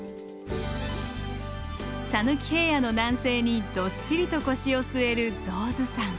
讃岐平野の南西にどっしりと腰を据える象頭山。